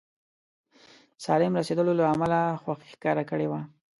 سالم رسېدلو له امله خوښي ښکاره کړې وه.